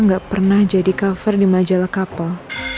nggak pernah jadi cover di majalah kapal